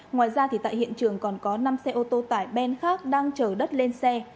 ngoài ra tại hiện trường còn có năm xe ô tô tải ben khác đang chở đất lên xe